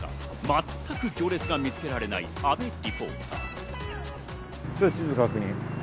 全く行列が見つけられない阿部リポーター。